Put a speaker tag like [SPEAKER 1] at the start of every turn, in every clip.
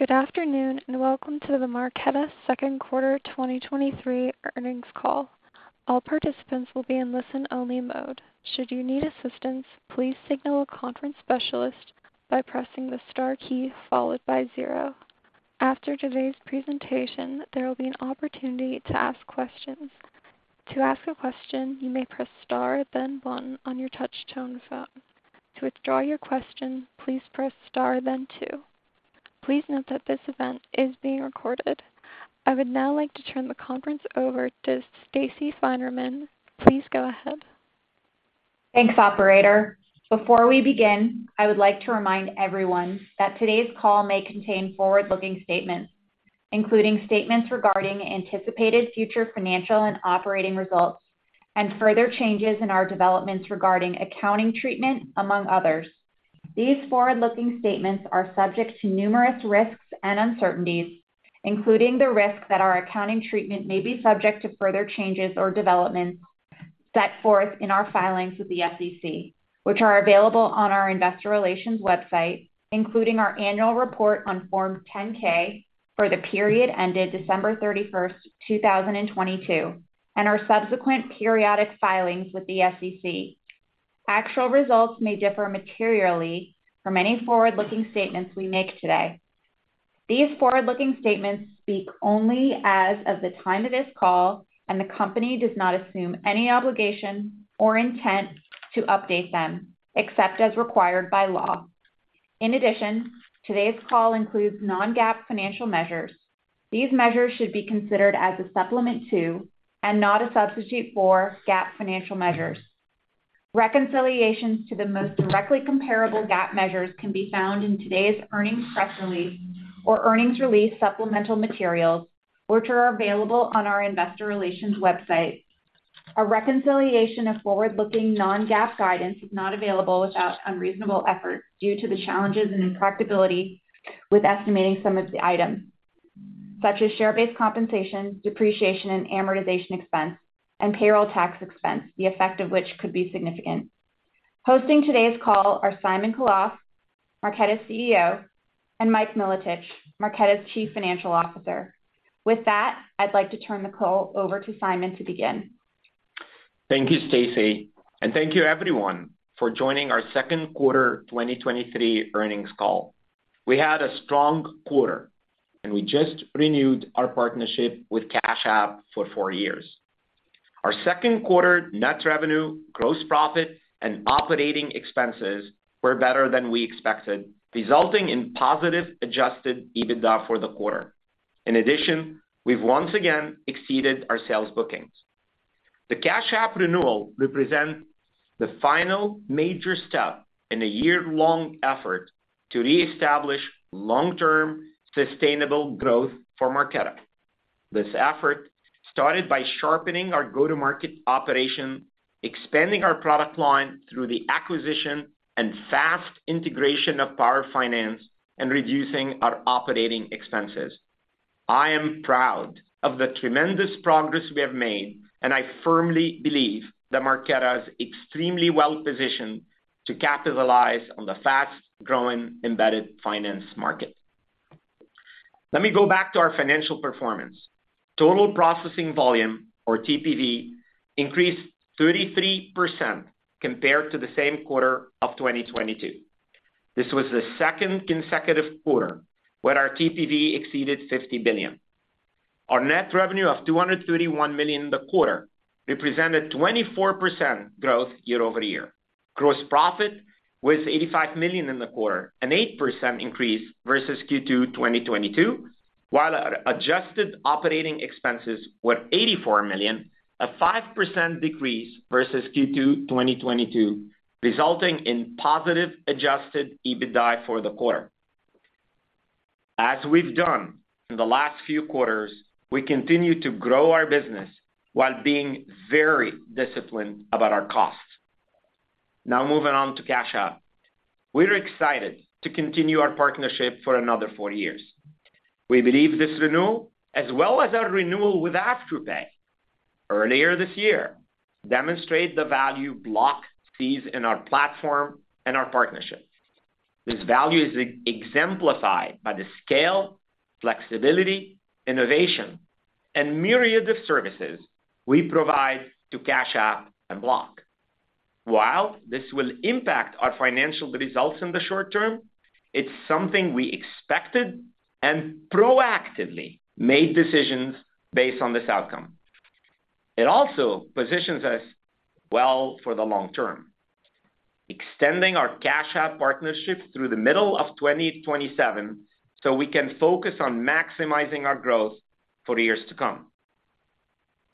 [SPEAKER 1] Good afternoon, and welcome to the Marqeta second quarter 2023 earnings call. All participants will be in listen-only mode. Should you need assistance, please signal a conference specialist by pressing the star key followed by zero. After today's presentation, there will be an opportunity to ask questions. To ask a question, you may press star, then one on your touch-tone phone. To withdraw your question, please press star then two. Please note that this event is being recorded. I would now like to turn the conference over to Stacey Finerman. Please go ahead.
[SPEAKER 2] Thanks, operator. Before we begin, I would like to remind everyone that today's call may contain forward-looking statements, including statements regarding anticipated future financial and operating results and further changes in our developments regarding accounting treatment, among others. These forward-looking statements are subject to numerous risks and uncertainties, including the risk that our accounting treatment may be subject to further changes or developments set forth in our filings with the SEC, which are available on our investor relations website, including our annual report on Form 10-K for the period ended December 31st, 2022, and our subsequent periodic filings with the SEC. Actual results may differ materially from any forward-looking statements we make today. These forward-looking statements speak only as of the time of this call, and the company does not assume any obligation or intent to update them, except as required by law. In addition, today's call includes non-GAAP financial measures. These measures should be considered as a supplement to, and not a substitute for, GAAP financial measures. Reconciliations to the most directly comparable GAAP measures can be found in today's earnings press release or earnings release supplemental materials, which are available on our investor relations website. A reconciliation of forward-looking non-GAAP guidance is not available without unreasonable effort due to the challenges and intractability with estimating some of the items, such as share-based compensation, depreciation, and amortization expense, and payroll tax expense, the effect of which could be significant. Hosting today's call are Simon Khalaf, Marqeta's CEO, and Mike Milotich, Marqeta's Chief Financial Officer. With that, I'd like to turn the call over to Simon to begin.
[SPEAKER 3] Thank you, Stacy, and thank you everyone for joining our second quarter 2023 earnings call. We had a strong quarter, and we just renewed our partnership with Cash App for four years. Our second quarter net revenue, gross profit, and operating expenses were better than we expected, resulting in positive adjusted EBITDA for the quarter. In addition, we've once again exceeded our sales bookings. The Cash App renewal represents the final major step in a year-long effort to reestablish long-term sustainable growth for Marqeta. This effort started by sharpening our go-to-market operation, expanding our product line through the acquisition and fast integration of Power Finance, and reducing our operating expenses. I am proud of the tremendous progress we have made, and I firmly believe that Marqeta is extremely well-positioned to capitalize on the fast-growing embedded finance market. Let me go back to our financial performance. Total processing volume, or TPV, increased 33% compared to the same quarter of 2022. This was the second consecutive quarter where our TPV exceeded $50 billion. Our net revenue of $231 million in the quarter represented 24% growth year-over-year. Gross profit was $85 million in the quarter, an 8% increase versus Q2 2022, while our adjusted operating expenses were $84 million, a 5% decrease versus Q2 2022, resulting in positive adjusted EBITDA for the quarter. As we've done in the last few quarters, we continue to grow our business while being very disciplined about our costs. Now, moving on to Cash App. We're excited to continue our partnership for another 4 years. We believe this renewal, as well as our renewal with Afterpay earlier this year, demonstrate the value Block sees in our platform and our partnership. This value is exemplified by the scale, flexibility, innovation, and myriad of services we provide to Cash App and Block. While this will impact our financial results in the short term, it's something we expected and proactively made decisions based on this outcome. It also positions us well for the long term, extending our Cash App partnership through the middle of 2027, so we can focus on maximizing our growth for years to come.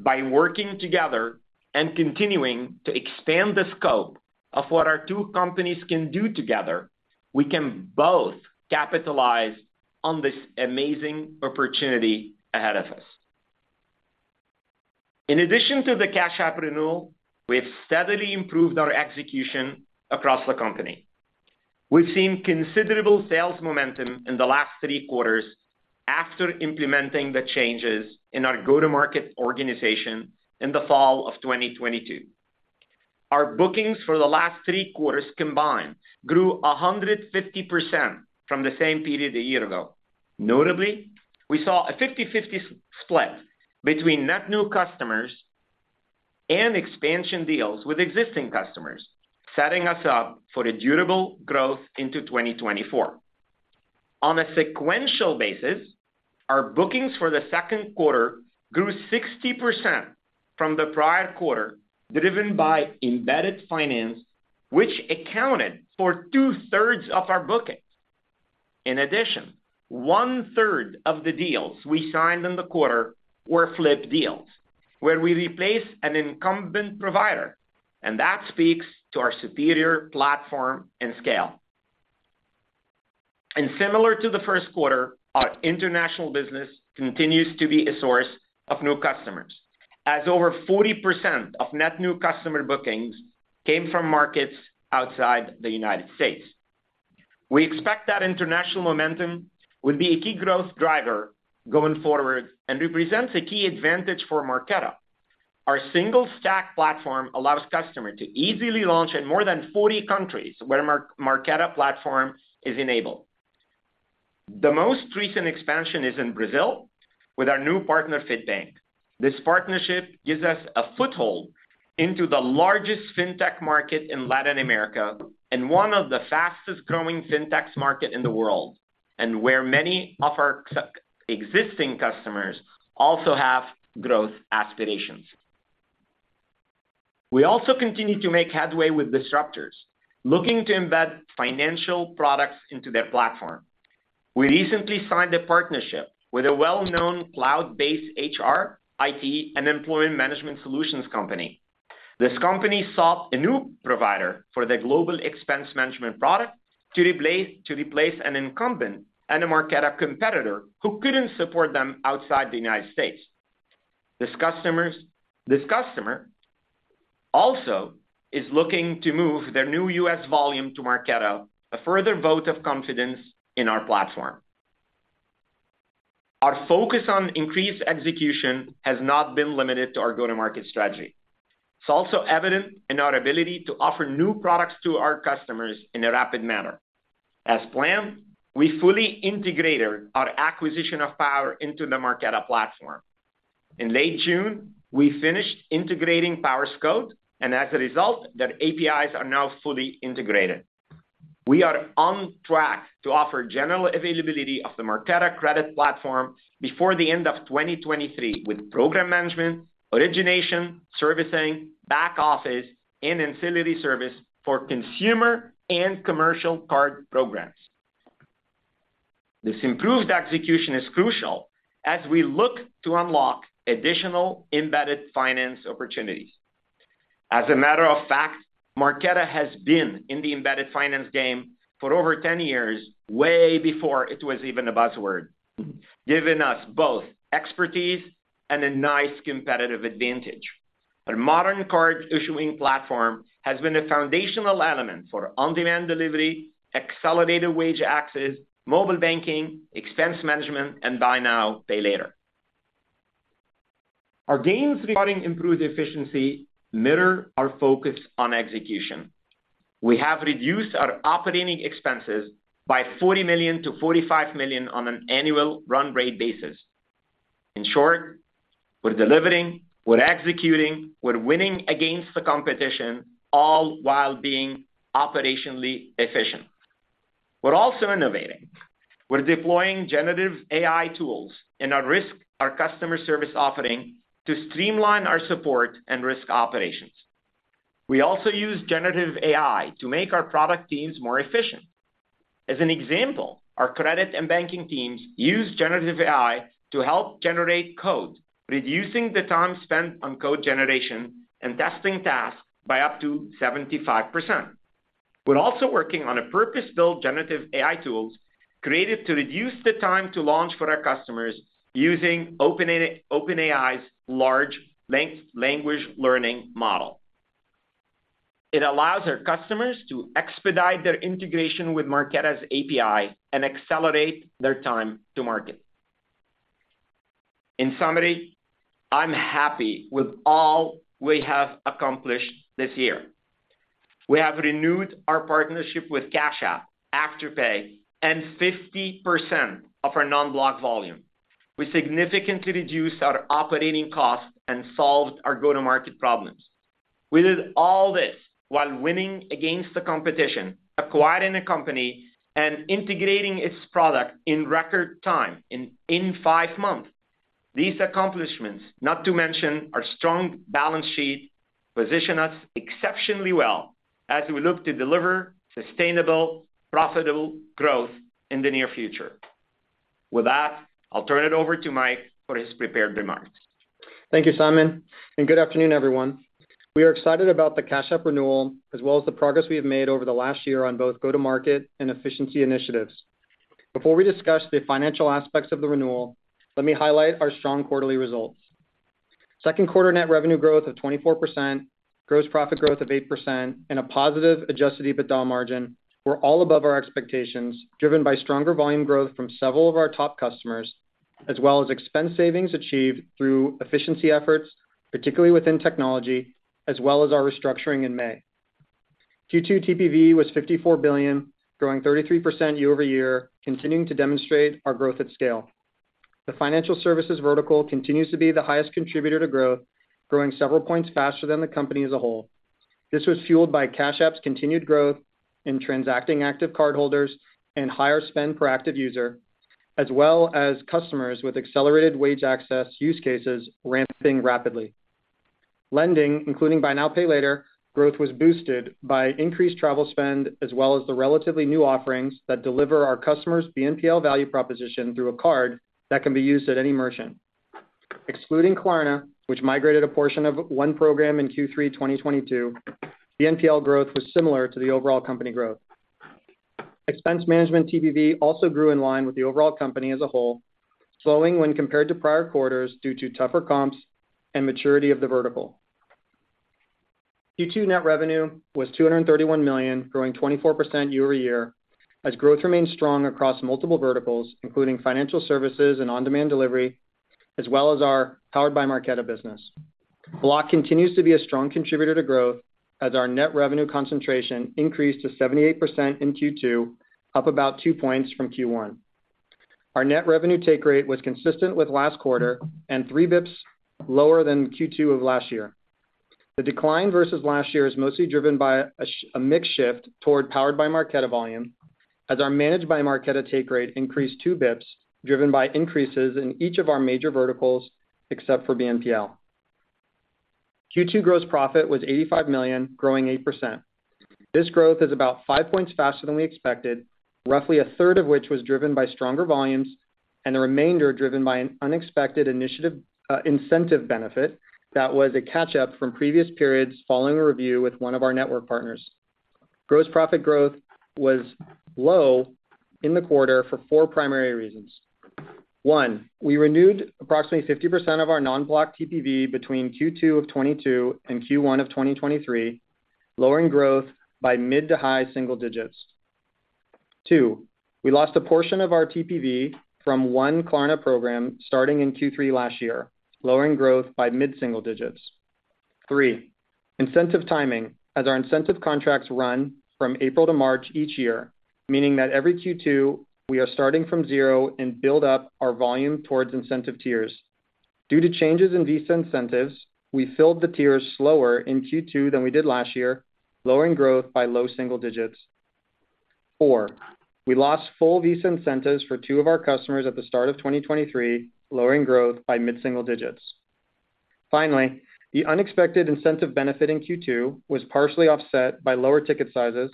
[SPEAKER 3] By working together and continuing to expand the scope of what our two companies can do together, we can both capitalize on this amazing opportunity ahead of us. In addition to the Cash App renewal, we've steadily improved our execution across the company. We've seen considerable sales momentum in the last three quarters after implementing the changes in our go-to-market organization in the fall of 2022. Our bookings for the last 3 quarters combined grew 150% from the same period a year ago. Notably, we saw a 50/50 split between net new customers and expansion deals with existing customers, setting us up for a durable growth into 2024. On a sequential basis, our bookings for the second quarter grew 60% from the prior quarter, driven by embedded finance, which accounted for two-thirds of our bookings. One-third of the deals we signed in the quarter were flip deals, where we replaced an incumbent provider, that speaks to our superior platform and scale. Similar to the first quarter, our international business continues to be a source of new customers, as over 40% of net new customer bookings came from markets outside the United States. We expect that international momentum will be a key growth driver going forward and represents a key advantage for Marqeta. Our single stack platform allows customers to easily launch in more than 40 countries where Marqeta platform is enabled. The most recent expansion is in Brazil with our new partner, FitBank. This partnership gives us a foothold into the largest fintech market in Latin America and one of the fastest-growing fintechs market in the world, and where many of our existing customers also have growth aspirations. We also continue to make headway with disruptors, looking to embed financial products into their platform. We recently signed a partnership with a well-known cloud-based HR, IT, and employee management solutions company. This company sought a new provider for their global expense management product to replace an incumbent and a Marqeta competitor who couldn't support them outside the United States. This customer also is looking to move their new U.S. volume to Marqeta, a further vote of confidence in our platform. Our focus on increased execution has not been limited to our go-to-market strategy. It's also evident in our ability to offer new products to our customers in a rapid manner. As planned, we fully integrated our acquisition of Power into the Marqeta platform. In late June, we finished integrating PowerScope, and as a result, their APIs are now fully integrated. We are on track to offer general availability of the Marqeta credit platform before the end of 2023, with program management, origination, servicing, back office, and ancillary service for consumer and commercial card programs. This improved execution is crucial as we look to unlock additional embedded finance opportunities. As a matter of fact, Marqeta has been in the embedded finance game for over 10 years, way before it was even a buzzword, giving us both expertise and a nice competitive advantage. Our modern card issuing platform has been a foundational element for on-demand delivery, accelerated wage access, mobile banking, expense management, and buy now, pay later. Our gains regarding improved efficiency mirror our focus on execution. We have reduced our operating expenses by $40 million-$45 million on an annual run rate basis. In short, we're delivering, we're executing, we're winning against the competition, all while being operationally efficient. We're also innovating. We're deploying generative AI tools in our risk, our customer service offering to streamline our support and risk operations. We also use generative AI to make our product teams more efficient. As an example, our credit and banking teams use generative AI to help generate code, reducing the time spent on code generation and testing tasks by up to 75%. We're also working on a purpose-built generative AI tools created to reduce the time to launch for our customers using OpenAI, OpenAI's large length language learning model. It allows our customers to expedite their integration with Marqeta's API and accelerate their time to market. In summary, I'm happy with all we have accomplished this year. We have renewed our partnership with Cash App, Afterpay, and 50% of our non-Block volume. We significantly reduced our operating costs and solved our go-to-market problems. We did all this while winning against the competition, acquiring a company, and integrating its product in record time, in 5 months. These accomplishments, not to mention our strong balance sheet, position us exceptionally well as we look to deliver sustainable, profitable growth in the near future. With that, I'll turn it over to Mike for his prepared remarks.
[SPEAKER 4] Thank you, Simon. Good afternoon, everyone. We are excited about the Cash App renewal, as well as the progress we have made over the last year on both go-to-market and efficiency initiatives. Before we discuss the financial aspects of the renewal, let me highlight our strong quarterly results. Second quarter net revenue growth of 24%, gross profit growth of 8%, and a positive adjusted EBITDA margin were all above our expectations, driven by stronger volume growth from several of our top customers, as well as expense savings achieved through efficiency efforts, particularly within technology, as well as our restructuring in May. Q2 TPV was $54 billion, growing 33% year-over-year, continuing to demonstrate our growth at scale. The financial services vertical continues to be the highest contributor to growth, growing several points faster than the company as a whole. This was fueled by Cash App's continued growth in transacting active cardholders and higher spend per active user, as well as customers with accelerated wage access use cases ramping rapidly. Lending, including buy now, pay later, growth was boosted by increased travel spend, as well as the relatively new offerings that deliver our customers BNPL value proposition through a card that can be used at any merchant. Excluding Klarna, which migrated a portion of one program in Q3 2022, BNPL growth was similar to the overall company growth. Expense management TPV also grew in line with the overall company as a whole, slowing when compared to prior quarters due to tougher comps and maturity of the vertical. Q2 net revenue was $231 million, growing 24% year-over-year, as growth remained strong across multiple verticals, including financial services and on-demand delivery, as well as our Powered by Marqeta business. Block continues to be a strong contributor to growth as our net revenue concentration increased to 78% in Q2, up about 2 points from Q1. Our net revenue take rate was consistent with last quarter and 3 bps lower than Q2 of last year. The decline versus last year is mostly driven by a mix shift toward Powered by Marqeta volume, as our Managed by Marqeta take rate increased 2 bps, driven by increases in each of our major verticals, except for BNPL. Q2 gross profit was $85 million, growing 8%. This growth is about five points faster than we expected, roughly a third of which was driven by stronger volumes, and the remainder driven by an unexpected initiative, incentive benefit that was a catch-up from previous periods following a review with one of our network partners. Gross profit growth was low in the quarter for four primary reasons. One, we renewed approximately 50% of our non-Block TPV between Q2 of 2022 and Q1 of 2023, lowering growth by mid-to-high single digits. Two, we lost a portion of our TPV from one Klarna program starting in Q3 last year, lowering growth by mid-single digits. Three, incentive timing, as our incentive contracts run from April to March each year, meaning that every Q2, we are starting from zero and build up our volume towards incentive tiers. Due to changes in Visa incentives, we filled the tiers slower in Q2 than we did last year, lowering growth by low single digits. 4, we lost full Visa incentives for 2 of our customers at the start of 2023, lowering growth by mid single digits. Finally, the unexpected incentive benefit in Q2 was partially offset by lower ticket sizes,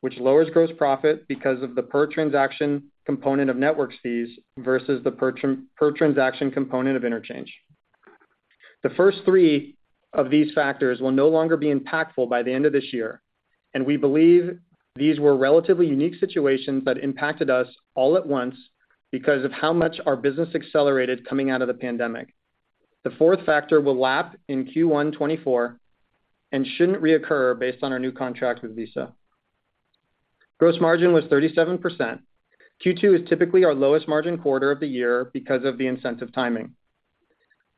[SPEAKER 4] which lowers gross profit because of the per transaction component of networks fees versus the per transaction component of interchange. The first 3 of these factors will no longer be impactful by the end of this year. We believe these were relatively unique situations that impacted us all at once because of how much our business accelerated coming out of the pandemic. The fourth factor will lap in Q1 '24 and shouldn't reoccur based on our new contract with Visa. Gross margin was 37%. Q2 is typically our lowest margin quarter of the year because of the incentive timing.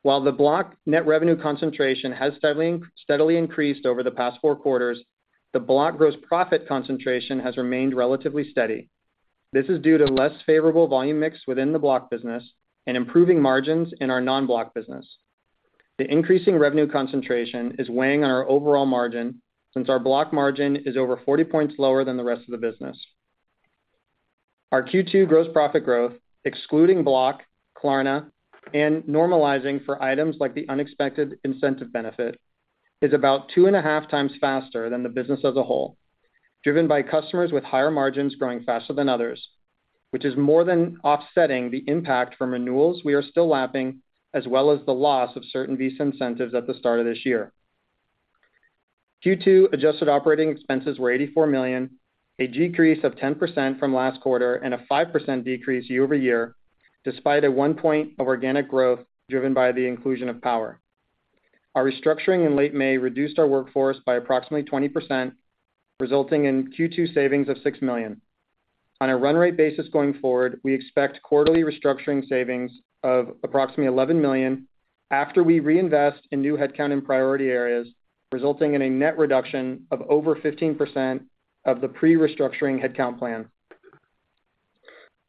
[SPEAKER 4] While the Block net revenue concentration has steadily, steadily increased over the past 4 quarters, the Block gross profit concentration has remained relatively steady. This is due to less favorable volume mix within the Block business and improving margins in our non-Block business. The increasing revenue concentration is weighing on our overall margin since our Block margin is over 40 points lower than the rest of the business. Our Q2 gross profit growth, excluding Block, Klarna, and normalizing for items like the unexpected incentive benefit, is about 2.5x faster than the business as a whole, driven by customers with higher margins growing faster than others, which is more than offsetting the impact from renewals we are still lapping, as well as the loss of certain Visa incentives at the start of this year. Q2 adjusted operating expenses were $84 million, a decrease of 10% from last quarter and a 5% decrease year-over-year, despite a one point of organic growth driven by the inclusion of Power. Our restructuring in late May reduced our workforce by approximately 20%, resulting in Q2 savings of $6 million. On a run rate basis going forward, we expect quarterly restructuring savings of approximately $11 million after we reinvest in new headcount in priority areas, resulting in a net reduction of over 15% of the pre-restructuring headcount plan.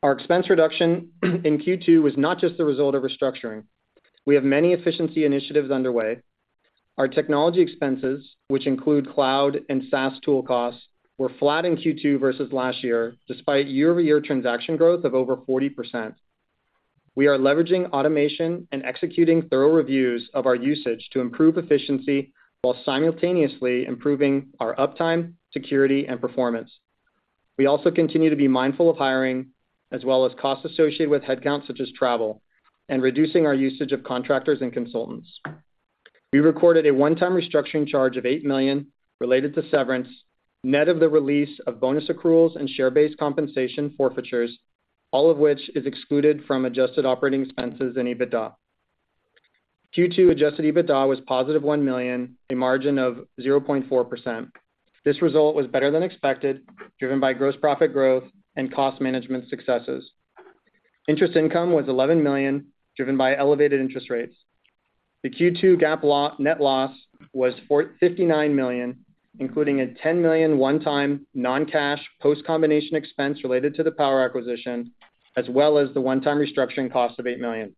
[SPEAKER 4] Our expense reduction in Q2 was not just the result of restructuring. We have many efficiency initiatives underway. Our technology expenses, which include cloud and SaaS tool costs, were flat in Q2 versus last year, despite year-over-year transaction growth of over 40%. We are leveraging automation and executing thorough reviews of our usage to improve efficiency while simultaneously improving our uptime, security, and performance. We also continue to be mindful of hiring, as well as costs associated with headcount, such as travel, and reducing our usage of contractors and consultants. We recorded a one-time restructuring charge of $8 million related to severance, net of the release of bonus accruals and share-based compensation forfeitures, all of which is excluded from adjusted operating expenses and EBITDA. Q2 adjusted EBITDA was positive $1 million, a margin of 0.4%. This result was better than expected, driven by gross profit growth and cost management successes. Interest income was $11 million, driven by elevated interest rates. The Q2 GAAP net loss was $59 million, including a $10 million one-time non-cash post-combination expense related to the Power acquisition, as well as the one-time restructuring cost of $8 million.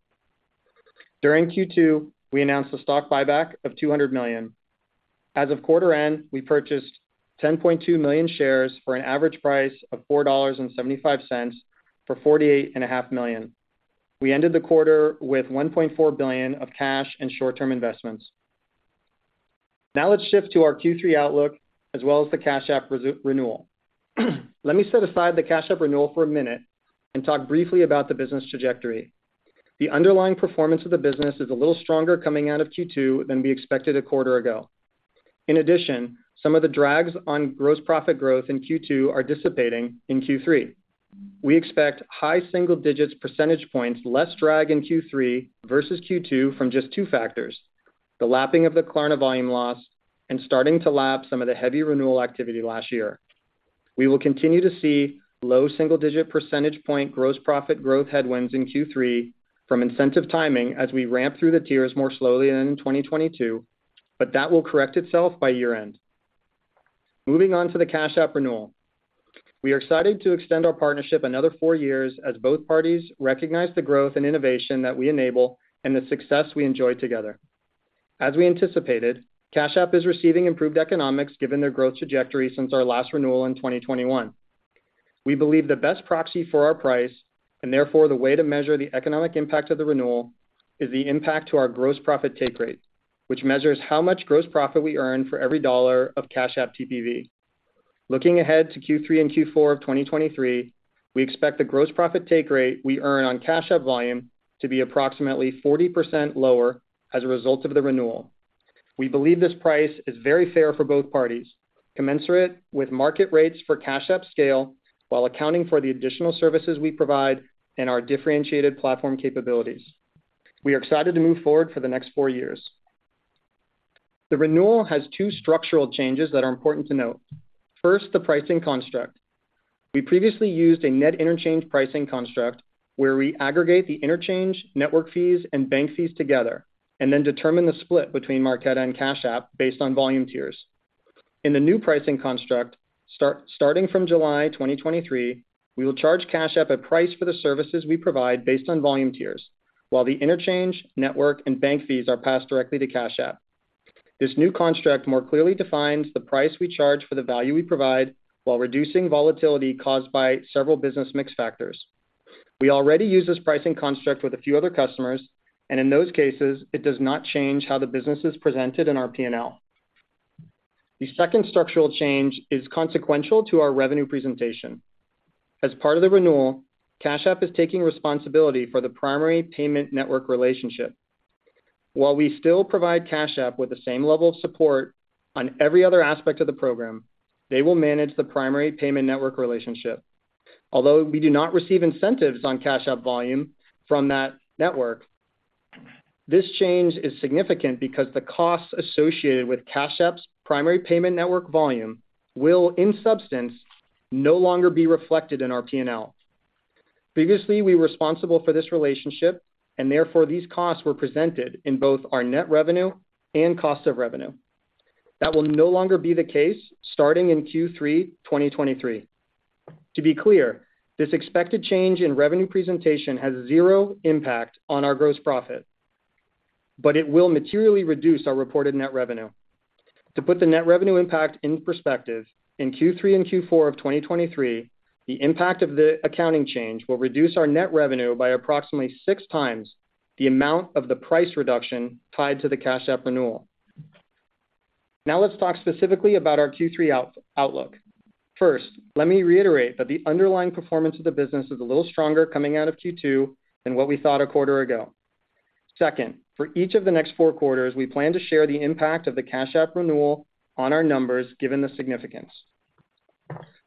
[SPEAKER 4] During Q2, we announced a stock buyback of $200 million. As of quarter end, we purchased 10.2 million shares for an average price of $4.75 for $48.5 million. We ended the quarter with $1.4 billion of cash and short-term investments. Let's shift to our Q3 outlook as well as the Cash App renewal. Let me set aside the Cash App renewal for a minute and talk briefly about the business trajectory. The underlying performance of the business is a little stronger coming out of Q2 than we expected a quarter ago. In addition, some of the drags on gross profit growth in Q2 are dissipating in Q3. We expect high single-digits percentage points, less drag in Q3 versus Q2 from just two factors, the lapping of the Klarna volume loss and starting to lap some of the heavy renewal activity last year. We will continue to see low single-digit percentage point gross profit growth headwinds in Q3 from incentive timing as we ramp through the tiers more slowly in 2022, but that will correct itself by year-end. Moving on to the Cash App renewal. We are excited to extend our partnership another four years as both parties recognize the growth and innovation that we enable and the success we enjoy together. As we anticipated, Cash App is receiving improved economics given their growth trajectory since our last renewal in 2021. We believe the best proxy for our price, and therefore, the way to measure the economic impact of the renewal, is the impact to our gross profit take rate, which measures how much gross profit we earn for every dollar of Cash App TPV. Looking ahead to Q3 and Q4 of 2023, we expect the gross profit take rate we earn on Cash App volume to be approximately 40% lower as a result of the renewal. We believe this price is very fair for both parties, commensurate with market rates for Cash App scale, while accounting for the additional services we provide and our differentiated platform capabilities. We are excited to move forward for the next 4 years. The renewal has two structural changes that are important to note. First, the pricing construct. We previously used a net interchange pricing construct, where we aggregate the interchange, network fees, and bank fees together, and then determine the split between Marqeta and Cash App based on volume tiers. In the new pricing construct, starting from July 2023, we will charge Cash App a price for the services we provide based on volume tiers, while the interchange, network, and bank fees are passed directly to Cash App. This new construct more clearly defines the price we charge for the value we provide, while reducing volatility caused by several business mix factors. We already use this pricing construct with a few other customers, and in those cases, it does not change how the business is presented in our P&L. The second structural change is consequential to our revenue presentation. As part of the renewal, Cash App is taking responsibility for the primary payment network relationship. While we still provide Cash App with the same level of support on every other aspect of the program, they will manage the primary payment network relationship. Although we do not receive incentives on Cash App volume from that network, this change is significant because the costs associated with Cash App's primary payment network volume will, in substance, no longer be reflected in our P&L. Previously, we were responsible for this relationship, and therefore, these costs were presented in both our net revenue and cost of revenue. That will no longer be the case starting in Q3 2023. To be clear, this expected change in revenue presentation has zero impact on our gross profit, but it will materially reduce our reported net revenue. To put the net revenue impact in perspective, in Q3 and Q4 of 2023, the impact of the accounting change will reduce our net revenue by approximately 6 times the amount of the price reduction tied to the Cash App renewal. Now, let's talk specifically about our Q3 outlook. First, let me reiterate that the underlying performance of the business is a little stronger coming out of Q2 than what we thought a quarter ago. Second, for each of the next 4 quarters, we plan to share the impact of the Cash App renewal on our numbers, given the significance.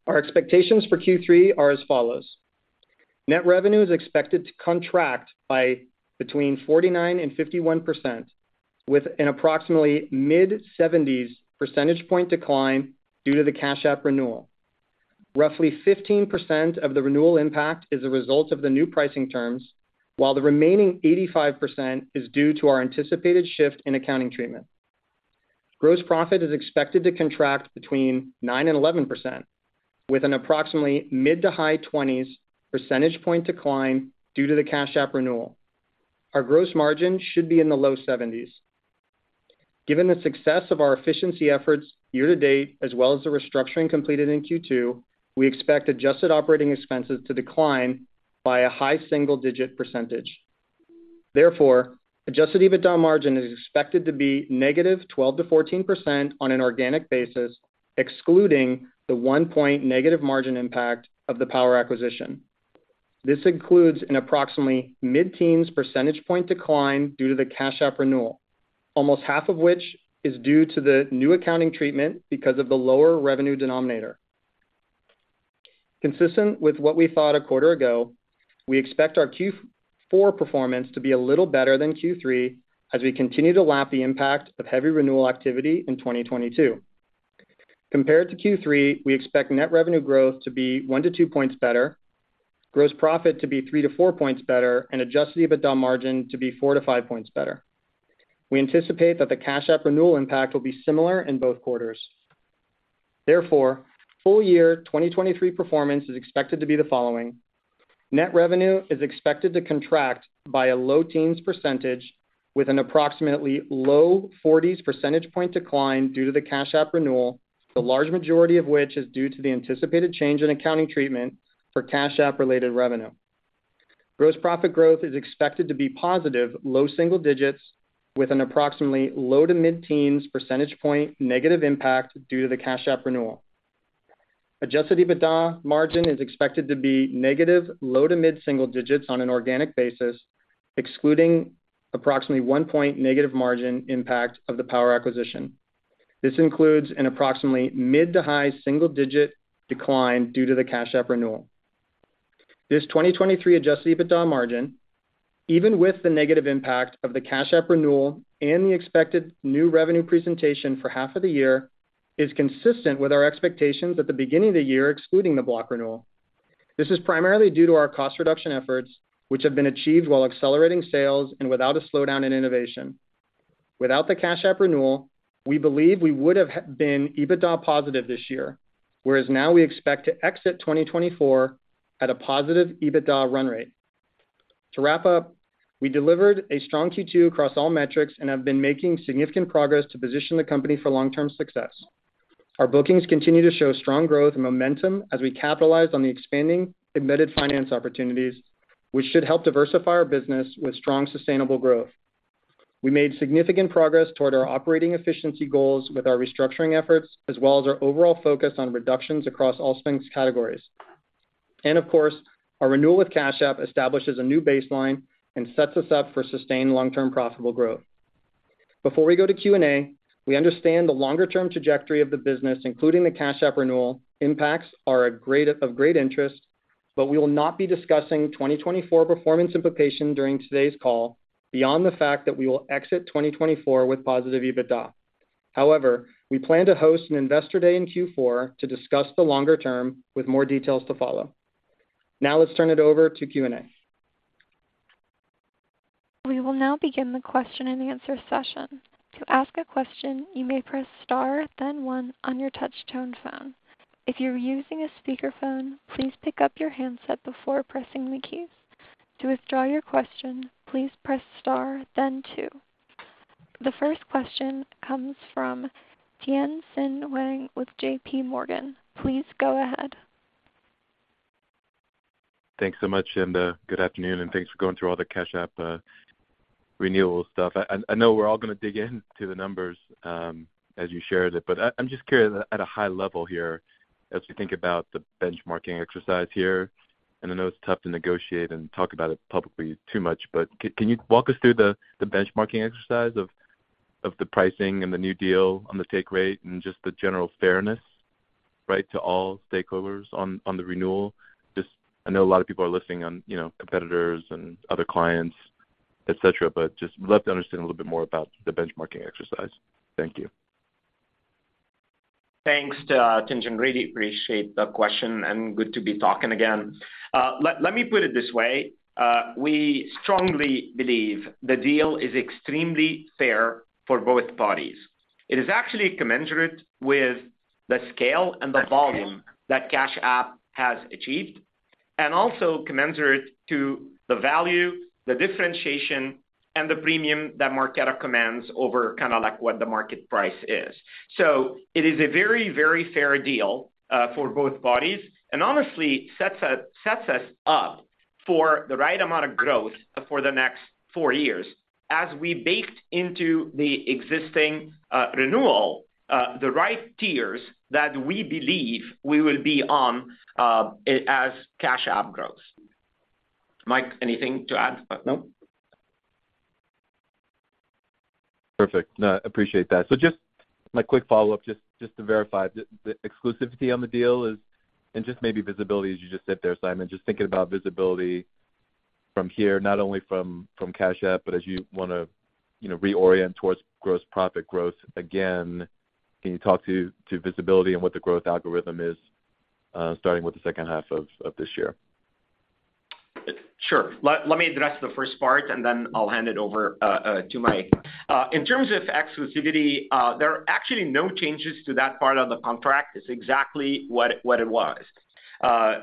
[SPEAKER 4] Our expectations for Q3 are as follows: Net revenue is expected to contract by between 49% and 51%, with an approximately mid-70s percentage point decline due to the Cash App renewal. Roughly 15% of the renewal impact is a result of the new pricing terms, while the remaining 85% is due to our anticipated shift in accounting treatment. Gross profit is expected to contract between 9% and 11%, with an approximately mid to high 20s percentage point decline due to the Cash App renewal. Our gross margin should be in the low 70s. Given the success of our efficiency efforts year to date, as well as the restructuring completed in Q2, we expect adjusted operating expenses to decline by a high single-digit %. Therefore, adjusted EBITDA margin is expected to be negative 12%-14% on an organic basis, excluding the 1 percentage point negative margin impact of the Power acquisition. This includes an approximately mid-teens percentage point decline due to the Cash App renewal, almost half of which is due to the new accounting treatment because of the lower revenue denominator. Consistent with what we thought a quarter ago, we expect our Q4 performance to be a little better than Q3 as we continue to lap the impact of heavy renewal activity in 2022. Compared to Q3, we expect net revenue growth to be 1-2 points better, gross profit to be 3-4 points better, and adjusted EBITDA margin to be 4-5 points better. We anticipate that the Cash App renewal impact will be similar in both quarters. Therefore, full year 2023 performance is expected to be the following: Net revenue is expected to contract by a low-teens %, with an approximately low-40s percentage point decline due to the Cash App renewal, the large majority of which is due to the anticipated change in accounting treatment for Cash App-related revenue. Gross profit growth is expected to be positive, low single-digits, with an approximately low-to-mid-teens percentage point negative impact due to the Cash App renewal. Adjusted EBITDA margin is expected to be negative, low to mid-single digits on an organic basis, excluding approximately 1 point negative margin impact of the Power acquisition. This includes an approximately mid to high single-digit decline due to the Cash App renewal. This 2023 adjusted EBITDA margin, even with the negative impact of the Cash App renewal and the expected new revenue presentation for half of the year, is consistent with our expectations at the beginning of the year, excluding the Block renewal. This is primarily due to our cost reduction efforts, which have been achieved while accelerating sales and without a slowdown in innovation. Without the Cash App renewal, we believe we would have been EBITDA positive this year, whereas now we expect to exit 2024 at a positive EBITDA run rate. To wrap up, we delivered a strong Q2 across all metrics and have been making significant progress to position the company for long-term success. Our bookings continue to show strong growth and momentum as we capitalize on the expanding embedded finance opportunities, which should help diversify our business with strong, sustainable growth. We made significant progress toward our operating efficiency goals with our restructuring efforts, as well as our overall focus on reductions across all spend categories. Of course, our renewal with Cash App establishes a new baseline and sets us up for sustained long-term profitable growth. Before we go to Q&A, we understand the longer-term trajectory of the business, including the Cash App renewal impacts, are of great interest, we will not be discussing 2024 performance implication during today's call beyond the fact that we will exit 2024 with positive EBITDA. However, we plan to host an Investor Day in Q4 to discuss the longer term with more details to follow. Now let's turn it over to Q&A.
[SPEAKER 1] We will now begin the question-and-answer session. To ask a question, you may press star, then one on your touch tone phone. If you're using a speakerphone, please pick up your handset before pressing the keys. To withdraw your question, please press star then two. The first question comes from Tien-Tsin Huang with J.P. Morgan. Please go ahead.
[SPEAKER 5] Thanks so much, and good afternoon, and thanks for going through all the Cash App renewal stuff. I, I know we're all gonna dig into the numbers, as you shared it, but I, I'm just curious at a high level here, as we think about the benchmarking exercise here, and I know it's tough to negotiate and talk about it publicly too much, but can you walk us through the, the benchmarking exercise of, of the pricing and the new deal on the take rate and just the general fairness, right, to all stakeholders on, on the renewal? Just I know a lot of people are listening on, you know, competitors and other clients, et cetera, but just love to understand a little bit more about the benchmarking exercise. Thank you.
[SPEAKER 3] Thanks, Tien-Tsin. Really appreciate the question, good to be talking again. Let, let me put it this way: We strongly believe the deal is extremely fair for both parties. It is actually commensurate with the scale and the volume that Cash App has achieved, and also commensurate to the value, the differentiation, and the premium that Marqeta commands over kind of like what the market price is. It is a very, very fair deal for both parties and honestly, sets us up for the right amount of growth for the next four years as we baked into the existing renewal, the right tiers that we believe we will be on as Cash App grows. Mike, anything to add?
[SPEAKER 4] No.
[SPEAKER 5] Perfect. No, appreciate that. Just my quick follow-up, just to verify, the exclusivity on the deal is... Just maybe visibility, as you just said there, Simon, just thinking about visibility from here, not only from Cash App, but as you want to, you know, reorient towards gross profit growth. Again, can you talk to visibility and what the growth algorithm is, starting with the second half of this year?
[SPEAKER 3] Sure. Let me address the first part, and then I'll hand it over to Mike. In terms of exclusivity, there are actually no changes to that part of the contract. It's exactly what, what it was. I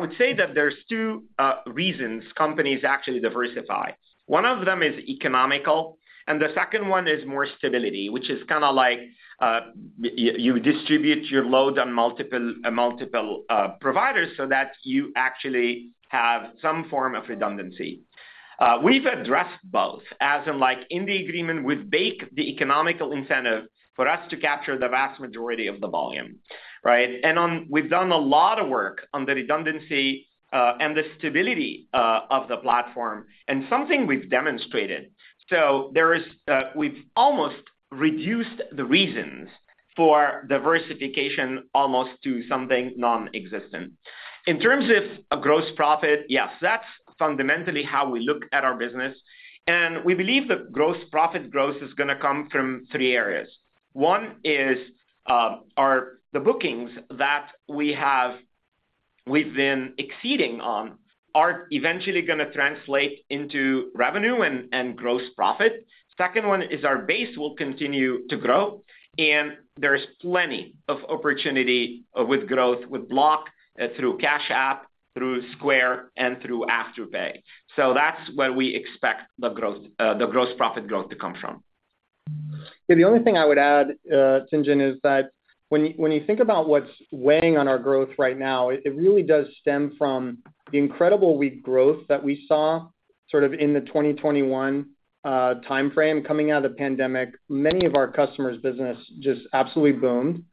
[SPEAKER 3] would say that there's two reasons companies actually diversify. One of them is economical, and the second one is more stability, which is kind of like, you distribute your load on multiple, multiple providers, so that you actually have some form of redundancy. We've addressed both, as in like in the agreement, we bake the economical incentive for us to capture the vast majority of the volume, right? We've done a lot of work on the redundancy and the stability of the platform, and something we've demonstrated. there is, we've almost reduced the reason-... for diversification almost to something nonexistent. In terms of a gross profit, yes, that's fundamentally how we look at our business, and we believe that gross profit growth is going to come from three areas. One is, are the bookings that we have, we've been exceeding on, are eventually going to translate into revenue and, and gross profit. Second one is our base will continue to grow, and there is plenty of opportunity with growth, with Block, through Cash App, through Square, and through Afterpay. That's where we expect the growth, the gross profit growth to come from.
[SPEAKER 4] Yeah, the only thing I would add, Simon, is that when you, when you think about what's weighing on our growth right now, it, it really does stem from the incredible weak growth that we saw sort of in the 2021 timeframe coming out of the pandemic. Many of our customers' business just absolutely boomed,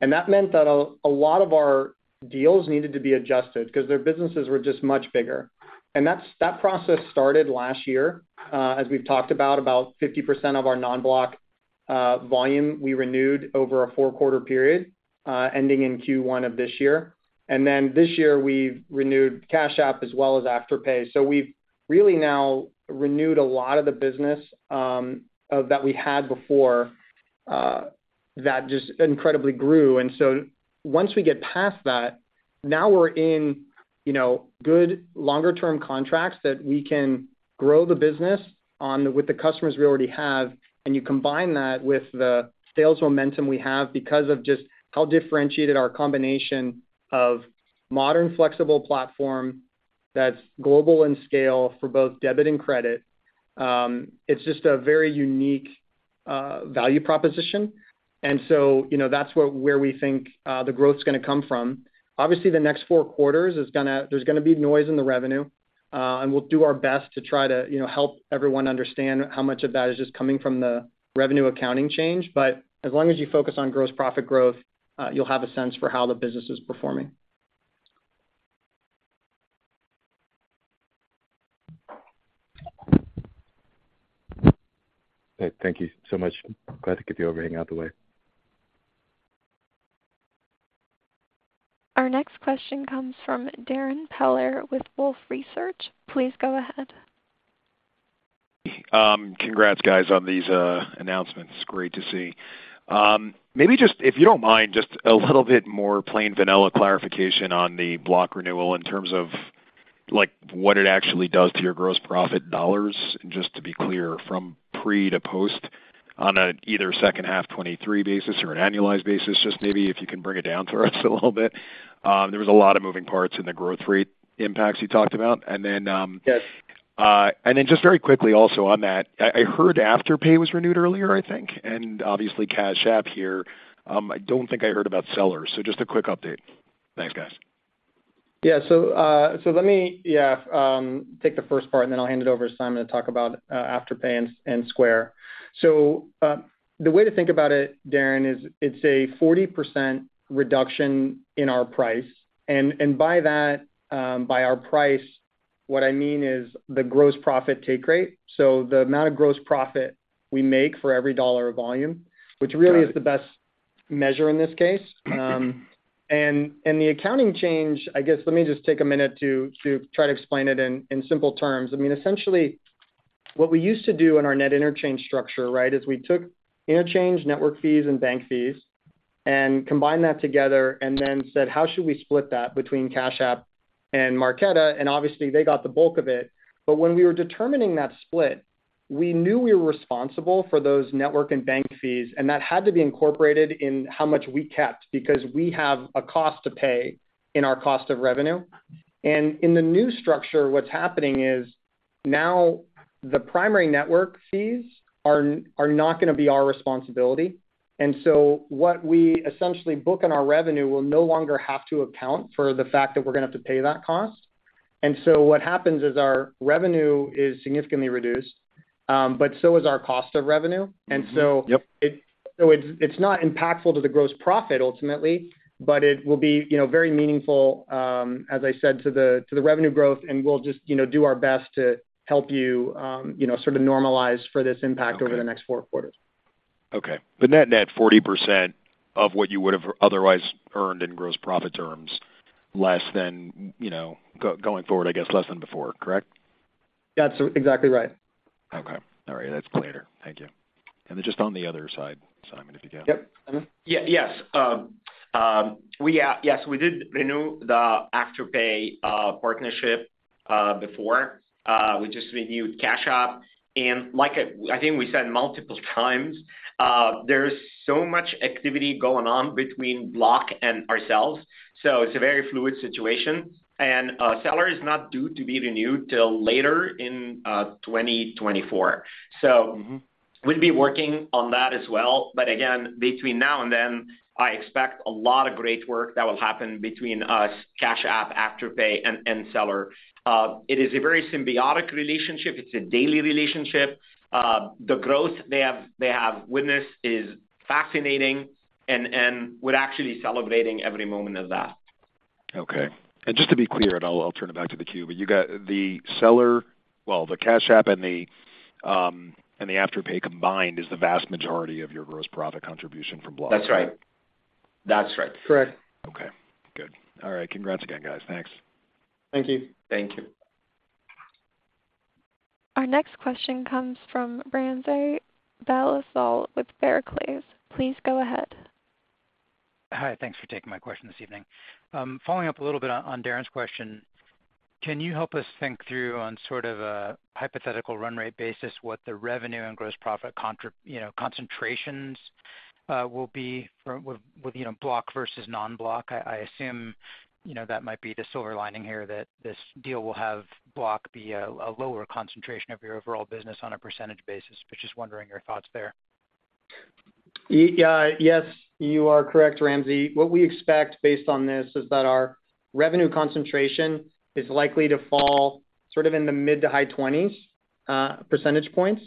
[SPEAKER 4] and that meant that a lot of our deals needed to be adjusted because their businesses were just much bigger. That process started last year. As we've talked about, about 50% of our non-Block volume, we renewed over a 4-quarter period, ending in Q1 of this year. This year, we've renewed Cash App as well as Afterpay. We've really now renewed a lot of the business of that we had before that just incredibly grew. Once we get past that, now we're in, you know, good longer-term contracts that we can grow the business on with the customers we already have, and you combine that with the sales momentum we have because of just how differentiated our combination of modern, flexible platform that's global in scale for both debit and credit. It's just a very unique value proposition. You know, that's where we think the growth is going to come from. Obviously, the next 4 quarters is gonna be noise in the revenue, and we'll do our best to try to, you know, help everyone understand how much of that is just coming from the revenue accounting change. As long as you focus on gross profit growth, you'll have a sense for how the business is performing.
[SPEAKER 5] Great. Thank you so much. Glad to get you over and out of the way.
[SPEAKER 1] Our next question comes from Darrin Peller with Wolfe Research. Please go ahead.
[SPEAKER 6] Congrats, guys, on these announcements. Great to see. Maybe just, if you don't mind, just a little bit more plain vanilla clarification on the Block renewal in terms of, like, what it actually does to your gross profit dollars. Just to be clear, from pre to post on a either second half 2023 basis or an annualized basis, just maybe if you can bring it down to us a little bit. There was a lot of moving parts in the growth rate impacts you talked about.
[SPEAKER 4] Yes.
[SPEAKER 6] Then just very quickly, also on that, I, I heard Afterpay was renewed earlier, I think, and obviously Cash App here. I don't think I heard about Seller. Just a quick update. Thanks, guys.
[SPEAKER 4] Yeah. Let me, yeah, take the first part, and then I'll hand it over to Simon to talk about, Afterpay and Square. The way to think about it, Darrin, is it's a 40% reduction in our price. And by that, by our price, what I mean is the gross profit take rate. The amount of gross profit we make for every $ of volume-
[SPEAKER 6] Got it.
[SPEAKER 4] -which really is the best measure in this case. The accounting change, I guess, let me just take a minute to try to explain it in simple terms. I mean, essentially, what we used to do in our net interchange structure, right, is we took interchange network fees and bank fees and combined that together and then said, "How should we split that between Cash App and Marqeta?" Obviously, they got the bulk of it. When we were determining that split, we knew we were responsible for those network and bank fees, and that had to be incorporated in how much we kept, because we have a cost to pay in our cost of revenue. In the new structure, what's happening is now the primary network fees are not going to be our responsibility. What we essentially book in our revenue will no longer have to account for the fact that we're going to have to pay that cost. What happens is our revenue is significantly reduced, but so is our cost of revenue.
[SPEAKER 6] Mm-hmm. Yep.
[SPEAKER 4] It's, it's not impactful to the gross profit ultimately, but it will be, you know, very meaningful, as I said to the, to the revenue growth, and we'll just, you know, do our best to help you, you know, sort of normalize for this impact.
[SPEAKER 6] Okay.
[SPEAKER 4] over the next 4 quarters.
[SPEAKER 6] Okay. net-net, 40% of what you would have otherwise earned in gross profit terms, less than, you know, going forward, I guess, less than before, correct?
[SPEAKER 4] That's exactly right.
[SPEAKER 6] Okay. All right. That's clear. Thank you. Then just on the other side, Simon, if you can.
[SPEAKER 3] Yep. Mm-hmm. Yeah. Yes. We did renew the Afterpay partnership before. We just renewed Cash App, and like I, I think we said multiple times, there's so much activity going on between Block and ourselves, so it's a very fluid situation. Seller is not due to be renewed till later in 2024.
[SPEAKER 6] Mm-hmm.
[SPEAKER 3] We'll be working on that as well. Again, between now and then, I expect a lot of great work that will happen between us, Cash App, Afterpay, and, and Seller. It is a very symbiotic relationship. It's a daily relationship. The growth they have, they have witnessed is fascinating and, and we're actually celebrating every moment of that.
[SPEAKER 6] Okay. Just to be clear, and I'll, I'll turn it back to the queue, but you got the Seller, Well, the Cash App and the, and the Afterpay combined is the vast majority of your gross profit contribution from Block?
[SPEAKER 3] That's right. That's right.
[SPEAKER 4] Correct.
[SPEAKER 6] Okay, good. All right. Congrats again, guys. Thanks.
[SPEAKER 4] Thank you.
[SPEAKER 3] Thank you.
[SPEAKER 1] Our next question comes from Ramsey El-Assal with Barclays. Please go ahead.
[SPEAKER 7] Hi, thanks for taking my question this evening. Following up a little bit on, on Darren's question, can you help us think through on sort of a hypothetical run rate basis, what the revenue and gross profit, you know, concentrations will be for, with, you know, Block versus non-Block? I, I assume, you know, that might be the silver lining here, that this deal will have Block be a, a lower concentration of your overall business on a percentage basis, but just wondering your thoughts there.
[SPEAKER 4] Y- yes, you are correct, Ramzi. What we expect based on this is that our revenue concentration is likely to fall sort of in the mid-to-high 20s percentage points,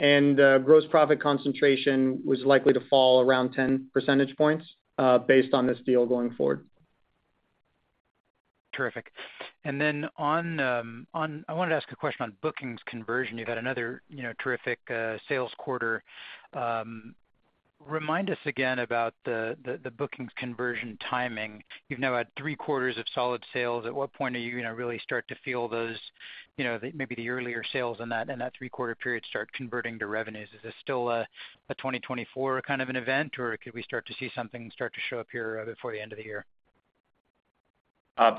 [SPEAKER 4] and gross profit concentration was likely to fall around 10 percentage points based on this deal going forward.
[SPEAKER 7] Terrific. On, I wanted to ask a question on bookings conversion. You've had another, you know, terrific sales quarter. Remind us again about the bookings conversion timing. You've now had three quarters of solid sales. At what point are you gonna really start to feel those, you know, maybe the earlier sales in that, in that three-quarter period start converting to revenues? Is this still a, a 2024 kind of an event, or could we start to see something start to show up here before the end of the year?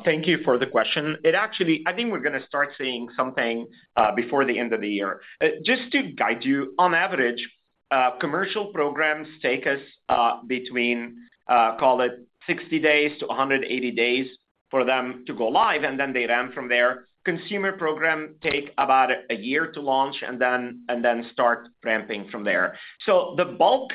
[SPEAKER 3] Thank you for the question. It actually... I think we're gonna start seeing something before the end of the year. Just to guide you, on average, commercial programs take us between, call it 60 days to 180 days for them to go live, and then they ramp from there. Consumer program take about 1 year to launch and then, and then start ramping from there. The bulk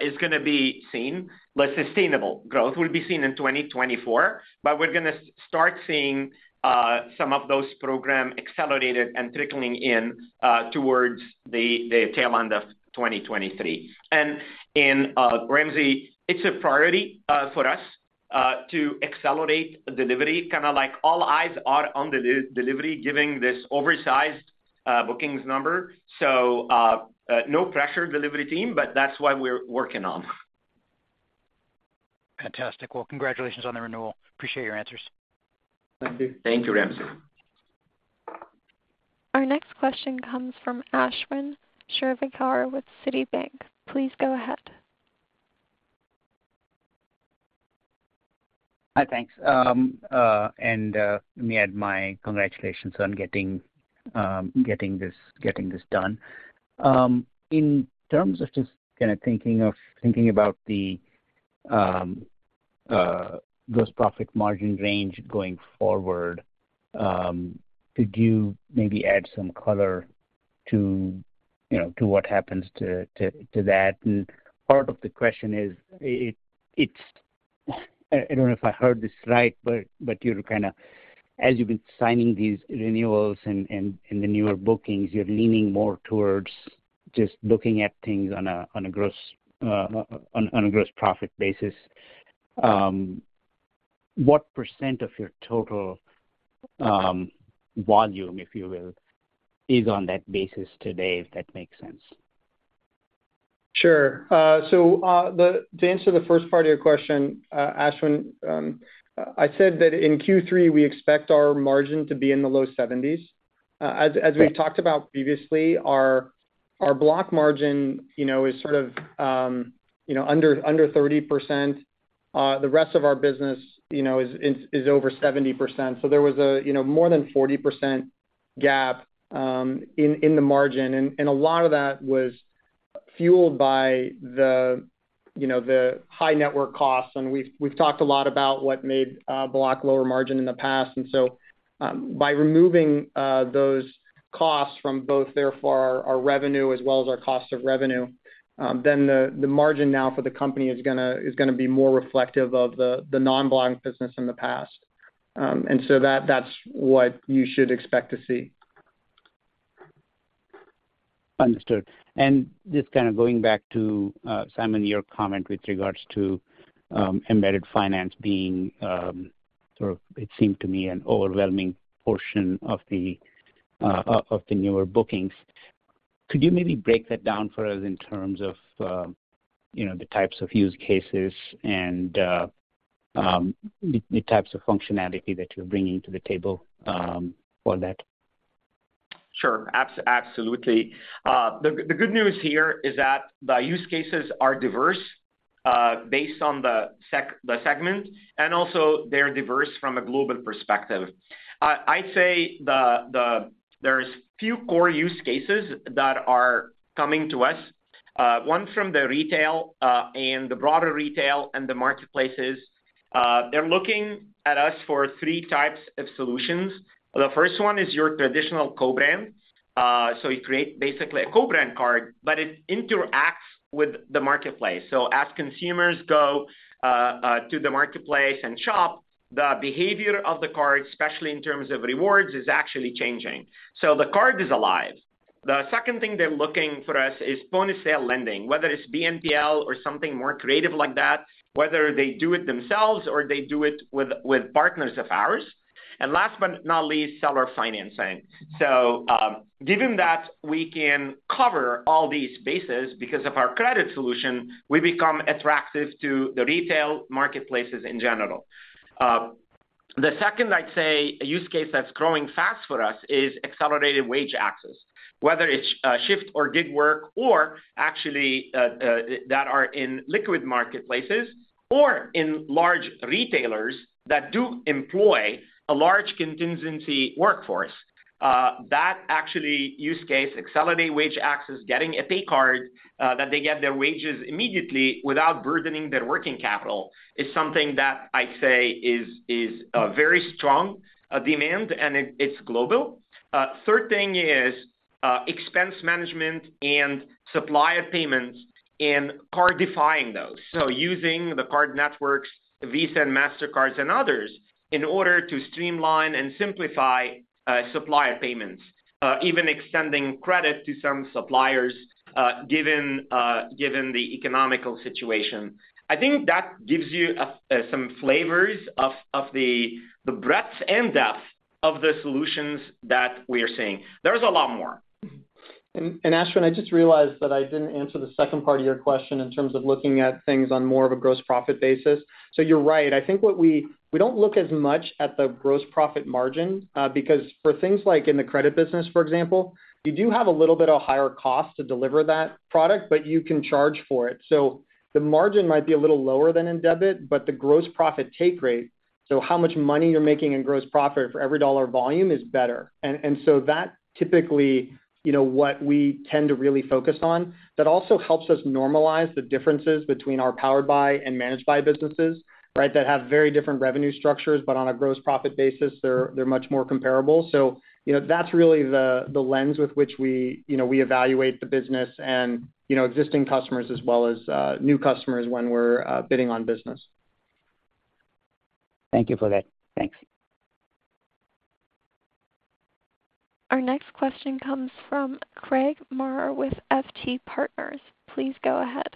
[SPEAKER 3] is gonna be seen, the sustainable growth will be seen in 2024, but we're gonna start seeing some of those program accelerated and trickling in towards the tail end of 2023. Ramzi, it's a priority for us to accelerate delivery, like all eyes are on the delivery, giving this oversized bookings number. No pressure, delivery team, but that's what we're working on.
[SPEAKER 7] Fantastic. Well, congratulations on the renewal. Appreciate your answers.
[SPEAKER 4] Thank you.
[SPEAKER 3] Thank you, Ramzi.
[SPEAKER 1] Our next question comes from Ashwin Shirvaikar with Citi. Please go ahead.
[SPEAKER 8] Hi, thanks. Let me add my congratulations on getting, getting this, getting this done. In terms of just kinda thinking about the gross profit margin range going forward, could you maybe add some color to, you know, to what happens to, to that? Part of the question is, it's I don't know if I heard this right, but you're kinda, as you've been signing these renewals and the newer bookings, you're leaning more towards just looking at things on a gross, on a gross profit basis. What percent of your total volume, if you will, is on that basis today, if that makes sense?
[SPEAKER 4] Sure. To answer the first part of your question, Ashwin, I said that in Q3, we expect our margin to be in the low 70s. As we've talked about previously, our Block margin, you know, is sort of, you know, under 30%. The rest of our business is over 70%. There was a, you know, more than 40% gap in the margin, and a lot of that was fueled by the, you know, the high network costs. We've talked a lot about what made Block lower margin in the past. By removing those costs from both, therefore, our, our revenue as well as our cost of revenue, then the, the margin now for the company is going to, is going to be more reflective of the, the non-Block business in the past. That's what you should expect to see.
[SPEAKER 8] Understood. Just kind of going back to Simon, your comment with regards to embedded finance being sort of, it seemed to me, an overwhelming portion of the of the newer bookings. Could you maybe break that down for us in terms of, you know, the types of use cases and the types of functionality that you're bringing to the table for that?
[SPEAKER 3] Sure, absolutely. The good news here is that the use cases are diverse, based on the segment, and also they're diverse from a global perspective. I'd say there's few core use cases that are coming to us. One from the retail, and the broader retail and the marketplaces. They're looking at us for three types of solutions. The first one is your traditional co-brand. You create basically a co-brand card, but it interacts with the marketplace. As consumers go to the marketplace and shop, the behavior of the card, especially in terms of rewards, is actually changing. The card is alive. The second thing they're looking for us is point-of-sale lending, whether it's BNPL or something more creative like that, whether they do it themselves or they do it with, with partners of ours. Last but not least, seller financing. Given that we can cover all these bases because of our credit solution, we become attractive to the retail marketplaces in general. The second I'd say use case that's growing fast for us is accelerated wage access. Whether it's shift or gig work, or actually, that are in liquid marketplaces or in large retailers that do employ a large contingency workforce. That actually use case, accelerated wage access, getting a pay card, that they get their wages immediately without burdening their working capital, is something that I'd say is, is a very strong demand, and it, it's global. Third thing is expense management and supplier payments and cardifying those. Using the card networks, Visa and Mastercards and others, in order to streamline and simplify supplier payments, even extending credit to some suppliers, given given the economical situation. I think that gives you some flavors of, of the, the breadth and depth of the solutions that we are seeing. There's a lot more.
[SPEAKER 4] Ashwin, I just realized that I didn't answer the second part of your question in terms of looking at things on more of a gross profit basis. You're right. I think what we don't look as much at the gross profit margin, because for things like in the credit business, for example, you do have a little bit of higher cost to deliver that product, but you can charge for it. The margin might be a little lower than in debit, but the gross profit take rate, so how much money you're making in gross profit for every dollar volume, is better. That typically, you know what we tend to really focus on. That also helps us normalize the differences between our powered by and managed by businesses, right? That have very different revenue structures, but on a gross profit basis, they're, they're much more comparable. You know, that's really the, the lens with which we, you know, we evaluate the business and, you know, existing customers as well as new customers when we're bidding on business.
[SPEAKER 6] Thank you for that. Thanks.
[SPEAKER 1] Our next question comes from Craig Maurer with FT Partners. Please go ahead.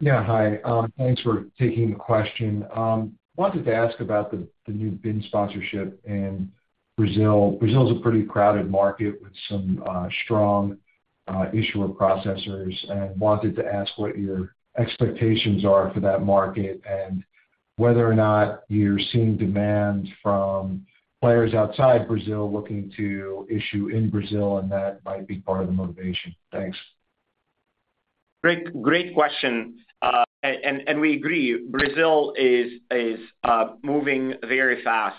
[SPEAKER 9] Yeah, hi. Thanks for taking the question. Wanted to ask about the new BIN sponsorship in Brazil. Brazil is a pretty crowded market with some strong issuer processors. Wanted to ask what your expectations are for that market and whether or not you're seeing demand from players outside Brazil looking to issue in Brazil. That might be part of the motivation. Thanks.
[SPEAKER 3] Great, great question. We agree, Brazil is, is, moving very fast.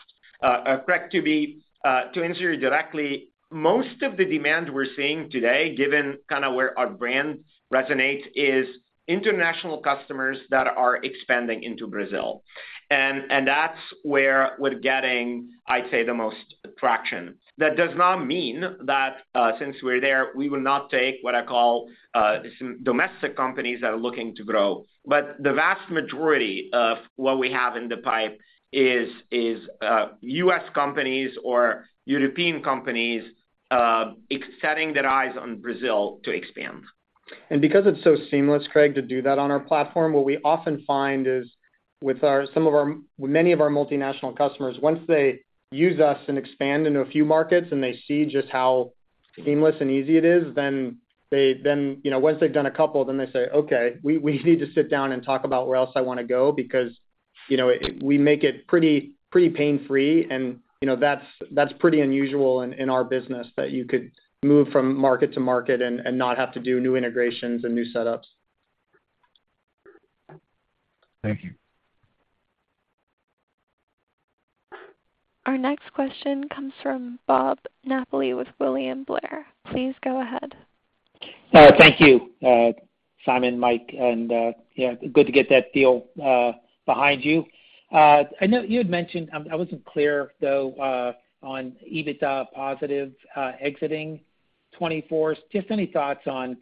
[SPEAKER 3] Craig, to answer you directly, most of the demand we're seeing today, given kind of where our brand resonates, is international customers that are expanding into Brazil. That's where we're getting, I'd say, the most traction. That does not mean that, since we're there, we will not take what I call, some domestic companies that are looking to grow. The vast majority of what we have in the pipe is, is, U.S. companies or European companies, setting their eyes on Brazil to expand.
[SPEAKER 4] Because it's so seamless, Craig, to do that on our platform, what we often find is with many of our multinational customers, once they use us and expand into a few markets, and they see just how seamless and easy it is, then, you know, once they've done a couple, then they say, "Okay, we, we need to sit down and talk about where else I wanna go." Because, you know, we make it pretty, pretty pain-free, and, you know, that's, that's pretty unusual in, in our business, that you could move from market to market and, and not have to do new integrations and new setups.
[SPEAKER 9] Thank you.
[SPEAKER 1] Our next question comes from Bob Napoli with William Blair. Please go ahead.
[SPEAKER 10] Thank you, Simon, Mike, yeah, good to get that deal behind you. I know you had mentioned, I wasn't clear, though, on EBITDA positive exiting 2024. Any thoughts on...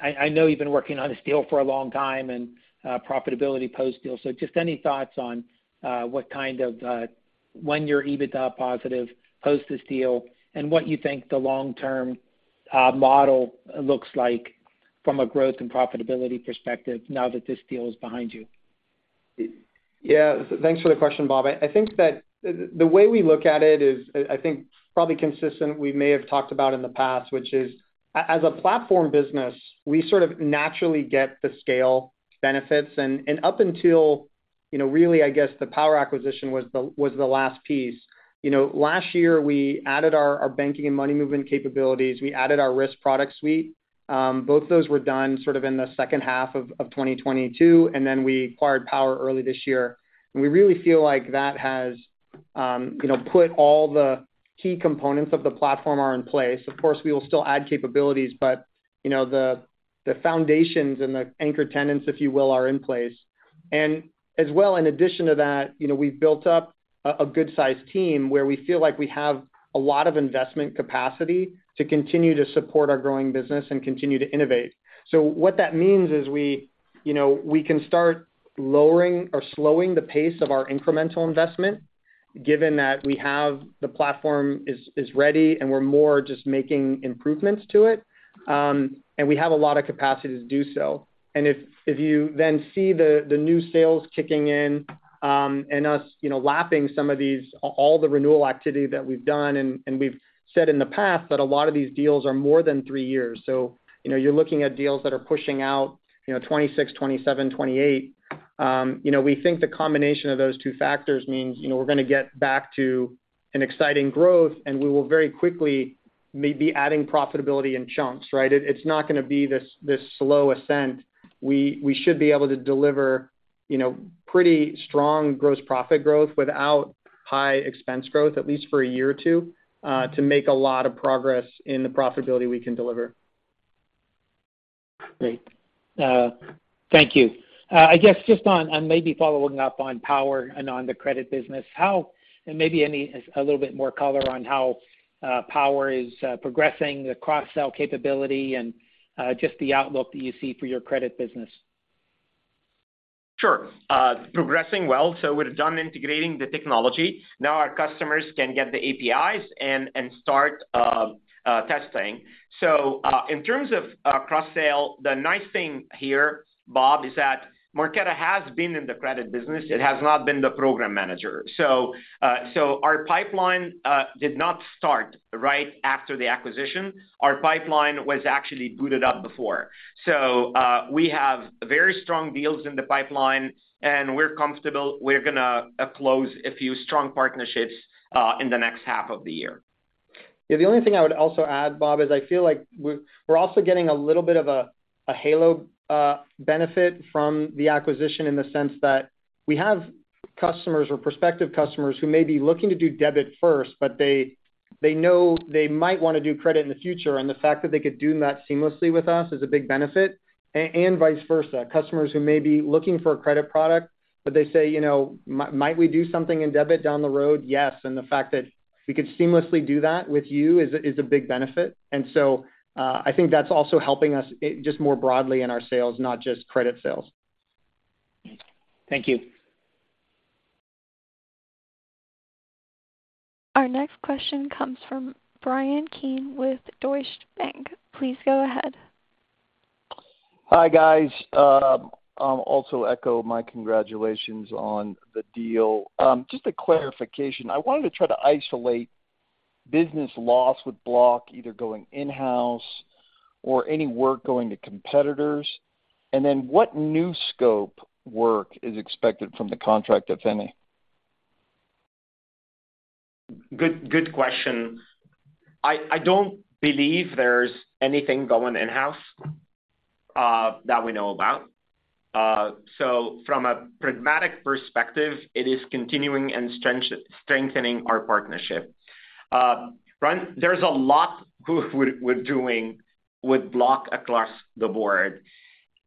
[SPEAKER 10] I, I know you've been working on this deal for a long time and profitability post-deal. Just any thoughts on what kind of, when your EBITDA positive post this deal and what you think the long-term model looks like from a growth and profitability perspective now that this deal is behind you?
[SPEAKER 4] Yeah, thanks for the question, Bob. I think that the, the way we look at it is, I, I think, probably consistent, we may have talked about in the past, which is as a platform business, we sort of naturally get the scale benefits. And up until really, I guess, the Power acquisition was the, was the last piece. You know, last year, we added our, our banking and money movement capabilities. We added our risk product suite. Both those were done sort of in the second half of 2022, and then we acquired Power early this year. We really feel like that has, you know, put all the key components of the platform are in place. Of course, we will still add capabilities, but, you know, the, the foundations and the anchor tenants, if you will, are in place. As well, in addition to that, you know, we've built up a, a good-sized team where we feel like we have a lot of investment capacity to continue to support our growing business and continue to innovate. What that means is we can start lowering or slowing the pace of our incremental investment, given that we have the platform is, is ready, and we're more just making improvements to it, and we have a lot of capacity to do so. If, if you then see the, the new sales kicking in, and us, you know, lapping some of these, all the renewal activity that we've done, and, and we've said in the past that a lot of these deals are more than three years. You know, you're looking at deals that are pushing out 2026, 2027, 2028. You know, we think the combination of those two factors means we're gonna get back to an exciting growth, and we will very quickly may be adding profitability in chunks, right? It's not gonna be this, this slow ascent. We should be able to deliver, you know, pretty strong gross profit growth without high expense growth, at least for a year or 2, to make a lot of progress in the profitability we can deliver.
[SPEAKER 10] Great. Thank you. I guess just on, on maybe following up on Power and on the credit business, how, and maybe any, a little bit more color on how Power is progressing, the cross-sell capability, and just the outlook that you see for your credit business?
[SPEAKER 3] Sure. Progressing well. We're done integrating the technology. Now, our customers can get the APIs and start testing. In terms of cross-sale, the nice thing here, Bob, is that Marqeta has been in the credit business. It has not been the program manager. So our pipeline did not start right after the acquisition. Our pipeline was actually booted up before. We have very strong deals in the pipeline, and we're comfortable we're gonna close a few strong partnerships in the next half of the year.
[SPEAKER 4] Yeah, the only thing I would also add, Bob, is I feel like we're, we're also getting a little bit of a, a halo benefit from the acquisition in the sense that we have customers or prospective customers who may be looking to do debit first, but they, they know they might wanna do credit in the future. The fact that they could do that seamlessly with us is a big benefit, and vice versa. Customers who may be looking for a credit product, but they say, "You know, might we do something in debit down the road?" "Yes, the fact that we could seamlessly do that with you is a, is a big benefit." So, I think that's also helping us, it, just more broadly in our sales, not just credit sales.
[SPEAKER 10] Thank you.
[SPEAKER 1] Our next question comes from Bryan Keane with Deutsche Bank. Please go ahead.
[SPEAKER 11] Hi, guys. I'll also echo my congratulations on the deal. Just a clarification. I wanted to try to isolate business loss with Block, either going in-house or any work going to competitors, and then what new scope work is expected from the contract, if any?
[SPEAKER 3] Good, good question. I don't believe there's anything going in-house, that we know about. From a pragmatic perspective, it is continuing and strengthening our partnership. Brian, there's a lot good we're, we're doing with Block across the board,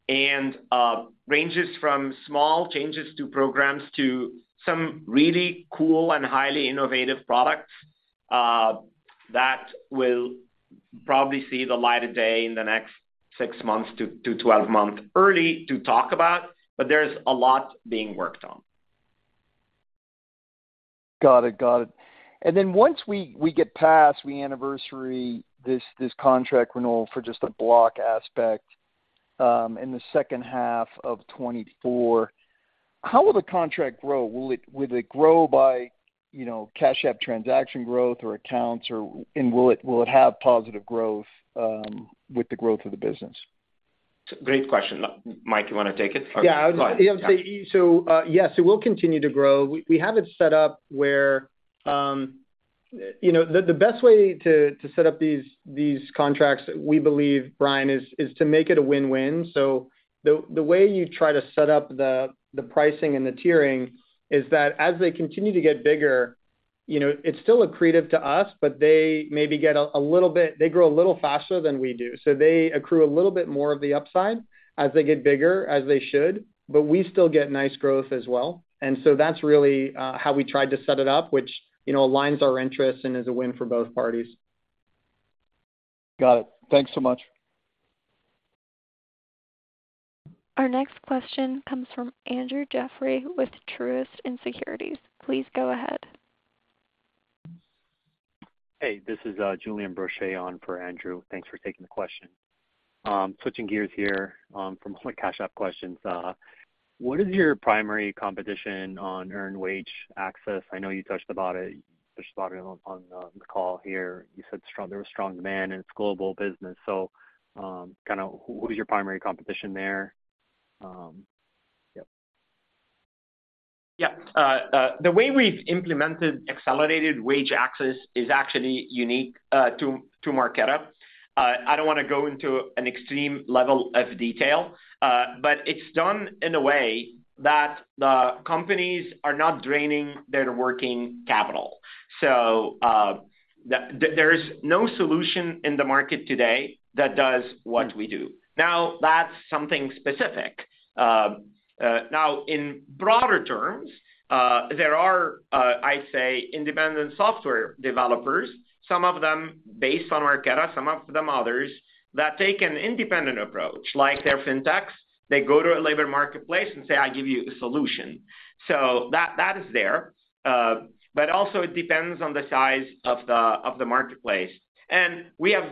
[SPEAKER 3] ranges from small changes to programs to some really cool and highly innovative products, that will probably see the light of day in the next six months to 12 months. Early to talk about, but there's a lot being worked on.
[SPEAKER 11] Got it. Got it. Then once we, we get past the anniversary, this, this contract renewal for just the Block aspect, in the second half of 2024, how will the contract grow? Will it grow by, you know, Cash App transaction growth or accounts or. Will it, will it have positive growth with the growth of the business?
[SPEAKER 3] Great question. Mike, you wanna take it?
[SPEAKER 4] Yeah, I would say. So, yes, it will continue to grow. We have it set up where, you know, the best way to set up these contracts, we believe, Brian, is to make it a win-win. The way you try to set up the pricing and the tiering is that as they continue to get bigger, you know, it's still accretive to us, but they maybe get a little bit. They grow a little faster than we do. They accrue a little bit more of the upside as they get bigger, as they should, but we still get nice growth as well. That's really how we tried to set it up, which aligns our interests and is a win for both parties.
[SPEAKER 11] Got it. Thanks so much.
[SPEAKER 1] Our next question comes from Andrew Jeffrey with Truist Securities. Please go ahead.
[SPEAKER 12] Hey, this is Julian Broche on for Andrew. Thanks for taking the question. Switching gears here, from my Cash App questions. What is your primary competition on earned wage access? I know you touched about it, touched about it on the, on the call here. You said there was strong demand, and it's global business. Who is your primary competition there? Yep.
[SPEAKER 3] Yeah. The way we've implemented accelerated wage access is actually unique to Marqeta. I don't want to go into an extreme level of detail, but it's done in a way that the companies are not draining their working capital. So there is no solution in the market today that does what we do. Now, that's something specific. Now in broader terms, there are, I'd say, independent software developers, some of them based on Marqeta, some of them others, that take an independent approach, like they're fintechs. They go to a labor marketplace and say, "I give you a solution." So that, that is there. But also it depends on the size of the marketplace. And we have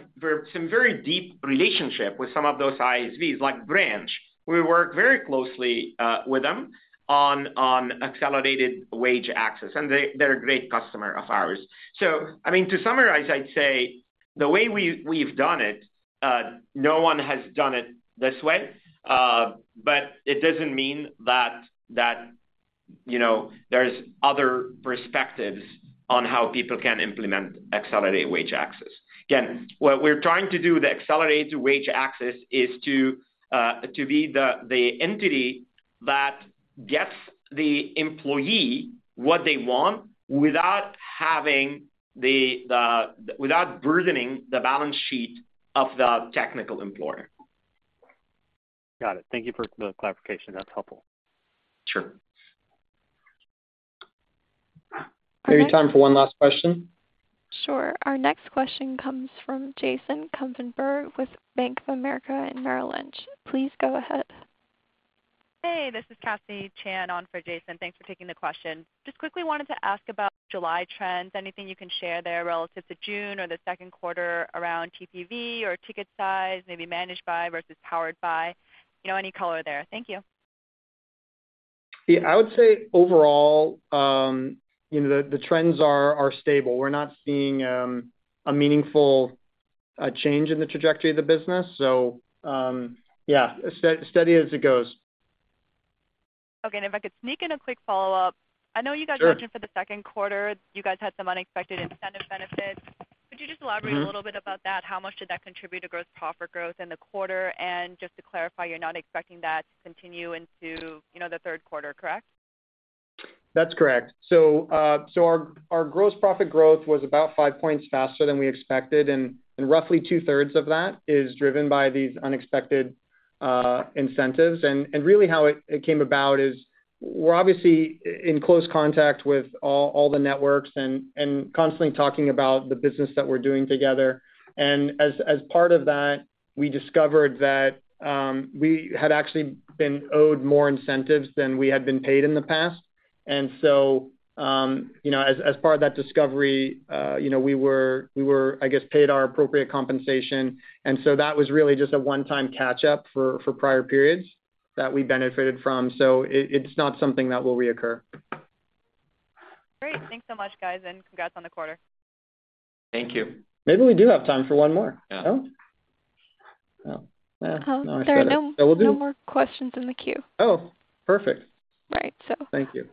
[SPEAKER 3] some very deep relationship with some of those ISVs, like Branch. We work very closely with them on, on accelerated wage access, and they, they're a great customer of ours. I mean, to summarize, I'd say the way we've, we've done it, no one has done it this way. It doesn't mean that, that, there's other perspectives on how people can implement accelerated wage access. Again, what we're trying to do with accelerated wage access is to be the, the entity that gets the employee what they want without having the, the, without burdening the balance sheet of the technical employer.
[SPEAKER 12] Got it. Thank you for the clarification. That's helpful.
[SPEAKER 3] Sure.
[SPEAKER 6] Maybe time for one last question?
[SPEAKER 1] Sure. Our next question comes from Jason Kupferberg with Bank of America in Merrill Lynch. Please go ahead.
[SPEAKER 13] Hey, this is Cassie Chan on for Jason. Thanks for taking the question. Just quickly wanted to ask about July trends. Anything you can share there relative to June or the second quarter around TPV or ticket size, maybe Managed by versus Powered by? Any color there. Thank you.
[SPEAKER 4] Yeah, I would say overall, you know, the trends are stable. We're not seeing a meaningful change in the trajectory of the business. Yeah, steady as it goes.
[SPEAKER 13] Okay, if I could sneak in a quick follow-up.
[SPEAKER 4] Sure.
[SPEAKER 13] I know you guys mentioned for the second quarter, you guys had some unexpected incentive benefits.
[SPEAKER 4] Mm-hmm.
[SPEAKER 13] Could you just elaborate a little bit about that? How much did that contribute to gross profit growth in the quarter? Just to clarify, you're not expecting that to continue into, you know, the third quarter, correct?
[SPEAKER 4] That's correct. Our, our gross profit growth was about 5 points faster than we expected, and, and roughly two-thirds of that is driven by these unexpected incentives. And, and really how it, it came about is we're obviously in close contact with all, all the networks and, and constantly talking about the business that we're doing together. As, as part of that, we discovered that we had actually been owed more incentives than we had been paid in the past. You know, as, as part of that discovery, you know, we were, we were, I guess, paid our appropriate compensation. That was really just a one-time catch-up for, for prior periods that we benefited from, so it, it's not something that will reoccur.
[SPEAKER 13] Great. Thanks so much, guys, and congrats on the quarter.
[SPEAKER 3] Thank you.
[SPEAKER 4] Maybe we do have time for one more.
[SPEAKER 3] Yeah.
[SPEAKER 4] Oh, well, no, I said it.
[SPEAKER 1] There are no-
[SPEAKER 4] we'll
[SPEAKER 1] No more questions in the queue.
[SPEAKER 4] Oh, perfect!
[SPEAKER 1] Right.
[SPEAKER 4] Thank you.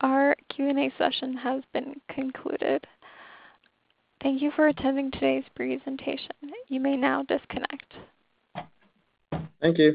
[SPEAKER 1] Our Q&A session has been concluded. Thank you for attending today's presentation. You may now disconnect.
[SPEAKER 3] Thank you.